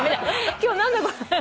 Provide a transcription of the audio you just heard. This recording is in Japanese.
今日何だこれ。